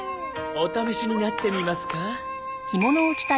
お試しになってみますか？